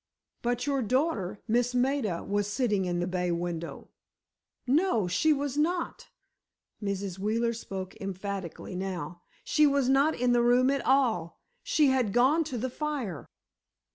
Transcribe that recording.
"But your daughter—Miss Maida—was sitting in the bay window." "No, she was not," Mrs. Wheeler spoke emphatically now. "She was not in the room at all. She had gone to the fire."